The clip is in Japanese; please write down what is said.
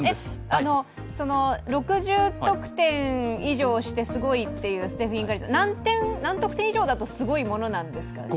６０得点以上してすごいっていうステフィン・カリーさんですけど何得点以上だとすごいものなんですか？